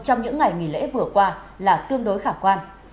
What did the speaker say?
trong những ngày nghỉ lễ vừa qua là tương đối khả quan